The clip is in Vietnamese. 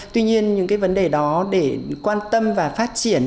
tuy nhiên những cái vấn đề đó để quan tâm và phát triển